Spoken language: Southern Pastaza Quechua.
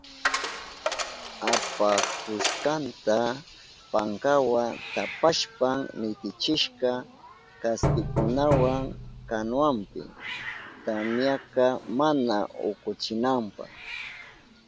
Apahushkanta pankawa tapashpan nitichishka kaspikunawa kanuwanpi, tamyaka mana ukuchinanpa.